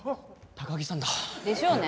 高木さんだ。でしょうね。